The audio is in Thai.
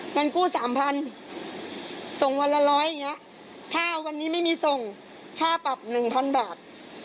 เงินกู้สามพันส่งวันละร้อยอย่างนี้ถ้าวันนี้ไม่มีส่งค่าปรับ๑๐๐บาท